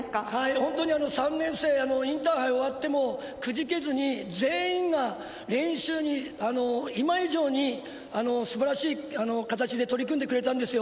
本当に３年生インターハイが終わってもくじけずに全員が練習に今以上に素晴らしい形で取り組んでくれたんですよ。